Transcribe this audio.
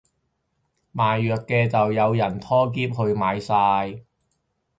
賣藥嘅就有人拖喼去買晒